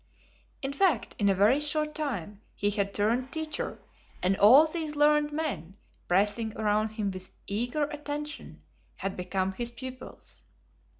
In fact, in a very short time he had turned teacher and all these learned men, pressing around him with eager attention, had become his pupils.